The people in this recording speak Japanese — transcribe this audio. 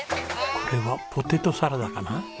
これはポテトサラダかな？